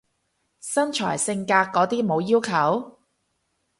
身材性格嗰啲冇要求？